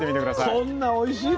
こんなおいしいの。